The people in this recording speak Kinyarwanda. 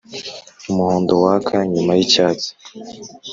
Umuhondo waka nyuma y’icyatsi